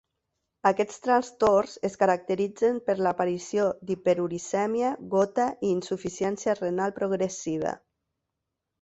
Aquests trastorns es caracteritzen per l'aparició d'hiperuricèmia, gota i insuficiència renal progressiva.